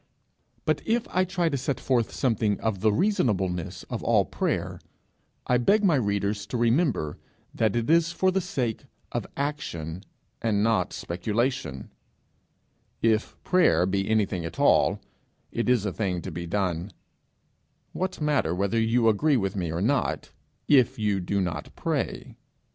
But if I try to set forth something of the reasonableness of all prayer, I beg my readers to remember that it is for the sake of action and not speculation; if prayer be anything at all, it is a thing to be done: what matter whether you agree with me or not, if you do not pray?